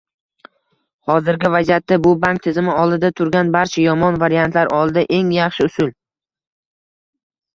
Hozirgi vaziyatda, bu bank tizimi oldida turgan barcha yomon variantlar oldida eng yaxshi usul